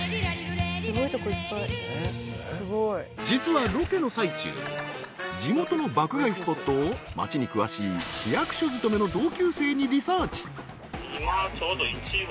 ［実はロケの最中地元の爆買いスポットを町に詳しい市役所勤めの同級生にリサーチ］